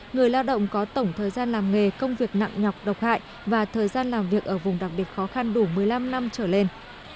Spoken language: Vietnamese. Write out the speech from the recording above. người lao động có tổng thời gian làm nghề công việc nặng nhọc độc hại và thời gian làm việc ở vùng đặc biệt khó khăn đủ một mươi năm năm trở lên